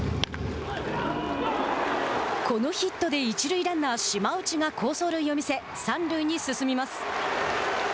このヒットで一塁ランナー島内が好走塁を見せ、三塁に進みます。